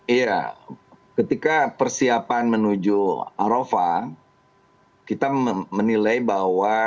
iya ketika persiapan menuju arafah kita menilai bahwa